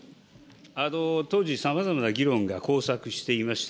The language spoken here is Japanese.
当時、さまざまな議論が交錯していました。